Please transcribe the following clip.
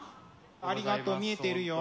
ありがとう見えてるよ。